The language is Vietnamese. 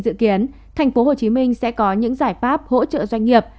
dự kiến tp hcm sẽ có những giải pháp hỗ trợ doanh nghiệp